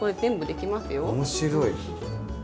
面白い。